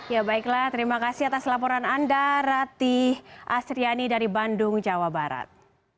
ya baiklah terima kasih atas laporan anda rati astriani dari bandung jawa barat